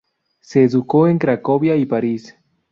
Se educó en Cracovia y París.